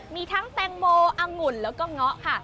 มีทั้งแตงโมอังุ่นแล้วก็เงาะค่ะ